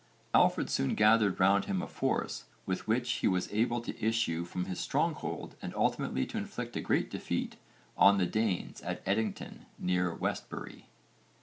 Alfred soon gathered round him a force with which he was able to issue from his stronghold and ultimately to inflict a great defeat on the Danes at Edington near Westbury.